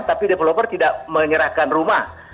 tapi developer tidak menyerahkan rumah